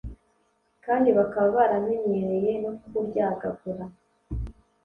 kandi bakaba baramenyereye no kuryagagura